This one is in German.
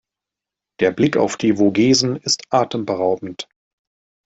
Der Blick auf die Vogesen ist atemberaubend.